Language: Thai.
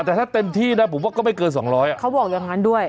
แต่ถ้าเต็มที่นะผมว่าก็ไม่เกิน๒๐๐เขาบอกอย่างนั้นด้วย